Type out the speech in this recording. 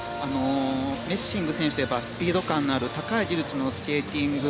メッシング選手ってスピード感のある高い技術のスケーティング。